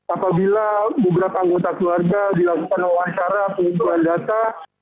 apabila beberapa anggota keluarga dilakukan wawancara pengumpulan data